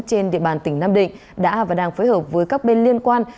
trên địa bàn tỉnh nam định đã và đang phối hợp với các bên liên quan